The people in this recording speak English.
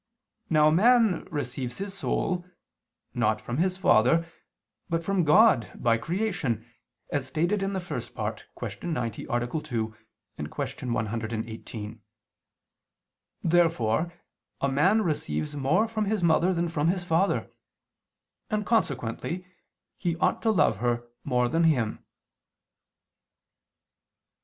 Now man receives his soul, not from his father, but from God by creation, as stated in the First Part (Q. 90, A. 2; Q. 118). Therefore a man receives more from his mother than from his father: and consequently he ought to love her more than him.